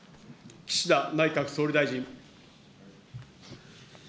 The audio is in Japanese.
岸田内閣総理大臣。